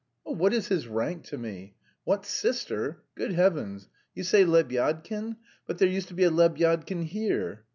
"Oh, what is his rank to me? What sister? Good heavens!... You say Lebyadkin? But there used to be a Lebyadkin here...."